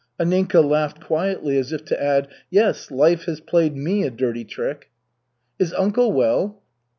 Anninka laughed quietly, as if to add, "Yes, life has played me a dirty trick." "Is uncle well?"